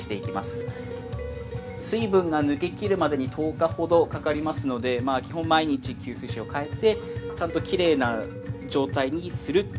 水分が抜け切るまでに１０日ほどかかりますのでまあ基本毎日吸水紙を替えてちゃんときれいな状態にするっていうのが大事ですね。